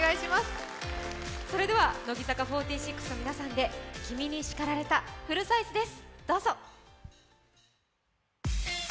それでは乃木坂４６の皆さんで「君に叱られた」フルサイズです。